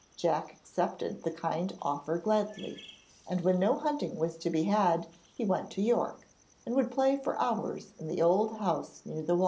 Jack accepted the kind offer gladly, and when no hunting was to be had he went to York, and would play for hours in the old house near the walls.